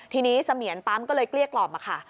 ทีนี้เสมียนปั๊มก็เลยเกลี้ยกล่อมค่ะ